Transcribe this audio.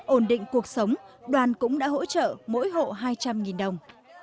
ổn định cuộc sống đoàn cũng đã hỗ trợ mỗi hộ hai trăm linh đồng